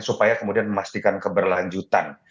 supaya kemudian memastikan keberlanjutan